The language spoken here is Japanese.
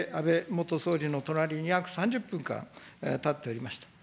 私は街宣車の上で安倍元総理の隣に約３０分間、立っておりました。